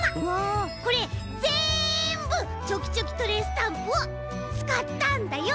これぜんぶちょきちょきトレースタンプをつかったんだよ。